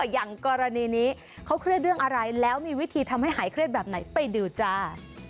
อย่างกรณีนี้เขาเครียดเรื่องอะไรแล้วมีวิธีทำให้หายเครียดแบบไหนไปดูจ้า